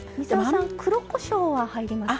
黒こしょうは入りますか？